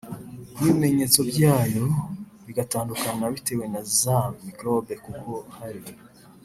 n’ibimenyeto byayo bigatandukana bitewe na za microbe kuko hari